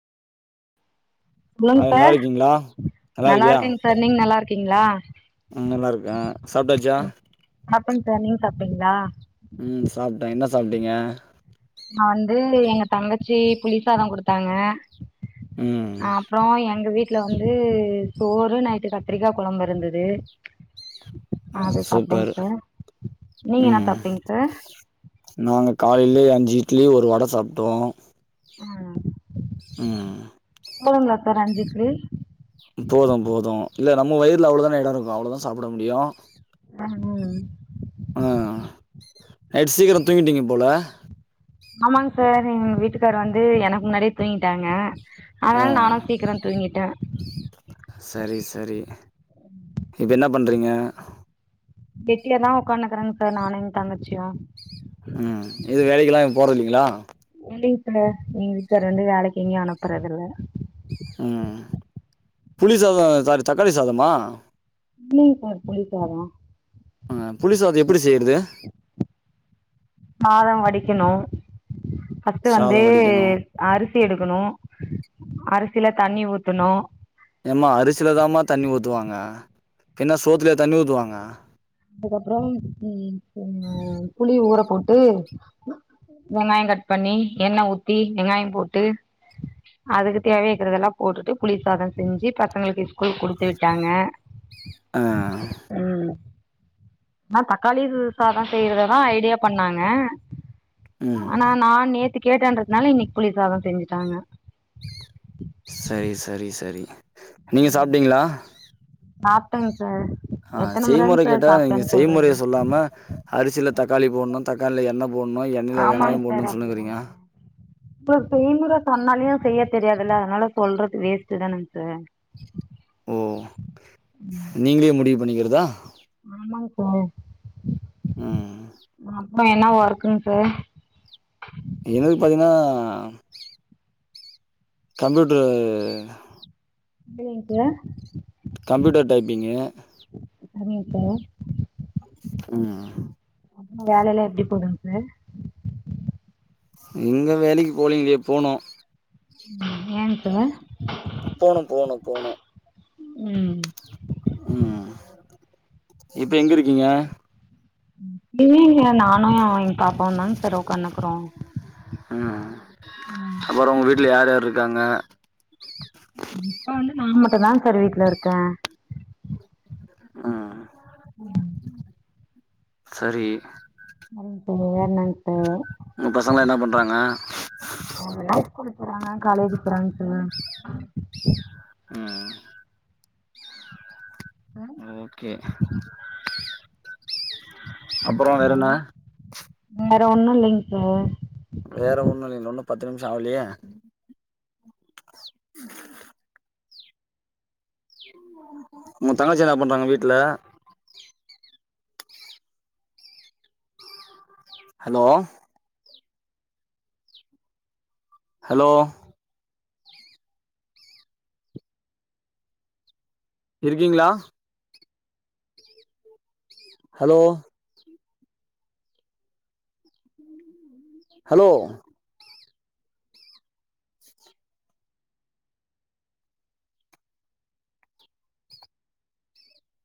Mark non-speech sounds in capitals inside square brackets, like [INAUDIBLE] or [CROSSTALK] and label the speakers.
Speaker 1: ஆ
Speaker 2: சொல்லுங்க
Speaker 1: நல்லா
Speaker 2: சார்
Speaker 1: இருக்கீங்களா
Speaker 2: நல்லா இருக்கேங்க சார் நீங்க நல்லா இருக்கீங்ளா
Speaker 1: ம் நல்லா இருக்க சாப்டாச்சா
Speaker 2: சாப்பன் சார் நீங்க சப்டீங்ளா
Speaker 1: ம் சாப்ட்ட என்ன சாப்ட்டீங்க
Speaker 2: நா அந்து எங்க தங்கச்சி புலிசாதோ குடுத்தாங்க
Speaker 1: ம்
Speaker 2: ஆப் ப்புறோ எங்க வீட்ல வந்து சோறு நைட்டு கத்திரிக்கா கொழம்பு இருந்தது அது சாப்ட்டேங்
Speaker 1: சூப்பர்
Speaker 2: சார் நீங்க என்னா
Speaker 1: ம்
Speaker 2: சாப்டீங் சார்
Speaker 1: நாங்க காலையிலே அஞ்சி இட்லி ஒரு வட சாப்டோ
Speaker 2: ஆ
Speaker 1: ம்
Speaker 2: போதுங்லா சார் அஞ்சி இட்லி
Speaker 1: போது போது இல்ல நம்ம வயிறுல அவ்ளதான எடோ இருக்கு அவ்ளதா சாப்ட முடியு
Speaker 2: [UNINTELLIGIBLE]
Speaker 1: ஆ நைட் சீக்கிரோ தூங்கிட்டீங்க போல
Speaker 2: ஆமாங்க சார் எங்க வீட்டுக்கார் வந்து எனக்கு முன்னாடியே தூங்கிட்டாங்க அதனால
Speaker 1: ஆ
Speaker 2: நானு சீக்கரோ தூங்கிட்ட
Speaker 1: சரி சரி இப்ப என்னா பண்றீங்க
Speaker 2: கெட்டியா தா உக்காந்னு இக்குறே சார் நானு எங் தங்கச்சியு
Speaker 1: ம் எது வேலைக்கெல்லா போறது இல்லிங்களா
Speaker 2: இல்லிங் சார் எங்க வீட்டுக்கார் வந்து வேலைக்கு எங்கேயு அனுப்புறதில்ல
Speaker 1: ம் புளி சாதோ சாரி தக்காளி சாதமா
Speaker 2: இல்லிங் சார் புளி சாதோ
Speaker 1: அ புளி சாதோ எப்டி செய்றது
Speaker 2: சாதோ வடிக்கணு ஃபஸ்ட் வந்து
Speaker 1: சாதோ வடிக்கணு
Speaker 2: அரிசி எடுக்குனு அரிசில தண்ணி ஊத்துனு
Speaker 1: ஏமா அரிசில தாமா தண்ணி ஊத்துவாங்க பின்ன சோத்திலியா தண்ணி ஊத்துவாங்க
Speaker 2: அதுக்கப்புறம் [UNINTELLIGIBLE] புளி ஊற போட்டு வெங்காயோ கட் பண்ணி எண்ண ஊத்தி வெங்காயோ போட்டு அதுக்கு தேவைக்கறதெல்லா போட்டுட்டு புளி சாதோ செஞ்சி பசங்களுக்கு ஸ்கூல்க்கு குடுத்து விட்டாங்க
Speaker 1: ஆ
Speaker 2: ம் நா தக்காளி சாதோ செய்றதா தா ஐடியா பண்ணாங்க
Speaker 1: ம்
Speaker 2: ஆனா நா நேத்து கேட்டன்றதுனால இன்னிக்கி புளிசாதோ செஞ்சிட்டாங்க
Speaker 1: சரி சரி சரி நீங்க
Speaker 2: ம்
Speaker 1: சாப்ட்டீங்களா
Speaker 2: சாப்டங் சார்
Speaker 1: ஆ
Speaker 2: எத்தன முறங்க
Speaker 1: செய்முறை
Speaker 2: சார்
Speaker 1: கேட்டா நீங்க
Speaker 2: சாப்ட்டேன்னு
Speaker 1: செய்முறைய
Speaker 2: சொல்றது
Speaker 1: சொல்லாம அரிசில தக்காளி போணு தக்கால்ல எண்ணெ போணு எண்ணெயில வெங்காயோ போணு சொல்லினுக்கிறீங்க
Speaker 2: இப்ப பெய்முற சொன்னாலியு செய்ய தெரியாதில்ல அதனால சொல்றது வேஸ்ட்டுதானங் சார்
Speaker 1: ஓ நீங்களே முடிவு பண்ணிக்கிறதா
Speaker 2: ஆமாங் சார்
Speaker 1: ம்
Speaker 2: அப்ப என்னா ஒர்க்குங் சார்
Speaker 1: என்னுது பாத்தீங்னா கம்பியூட்ரு
Speaker 2: இல்லையேங் சா
Speaker 1: கம்பியூட்டர் டைப்பிங்கு
Speaker 2: சரிங் சார்
Speaker 1: ம்
Speaker 2: அப்புமா வேலையெல்லா எப்டி போதுங் சார்
Speaker 1: இங்க வேலைக்கு போலிங்லே போணு
Speaker 2: ம் ஏங் சார்
Speaker 1: போணு போணு போணு
Speaker 2: உ
Speaker 1: உ இப்ப எங்க இருக்கீங்க
Speaker 2: இல்லிங்கே நானு எங்க பாப்பாவு தாங்க சார் உக்காந்துக்குறோ
Speaker 1: உ அப்பறோ உங்க வீட்ல யார் யாரு இருக்காங்க
Speaker 2: இப்ப வந்து நா மட்டு தா சார் வீட்ல இருக்க
Speaker 1: உ சரி
Speaker 2: அது சரியானத்தே
Speaker 1: உங்க பசங்களா என்ன பண்றாங்க
Speaker 2: அவுங்கலா ஸ்கூலு போறாங்க காலேஜ் போறாங்க சார்
Speaker 1: உ ஓகே அப்பறோ
Speaker 2: ஹலோ,
Speaker 1: வேறன்னா
Speaker 2: வேற ஒன்னு இல்லங்க சார்
Speaker 1: வேற ஒண்ணு இல்ல இன்னு பத்து நிமிசோ ஆவலயே உங்க தங்கச்சி என்ன பண்றாங்க வீட்டு்ல ஹலோ ஹலோ இருக்கீங்களா ஹலோ உம் [INAUDIBLE] ஹலோ